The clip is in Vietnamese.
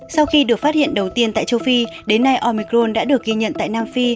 sau khi được phát hiện đầu tiên tại châu phi đến nay omicron đã được ghi nhận tại nam phi